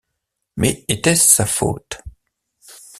Mais était-ce sa faute?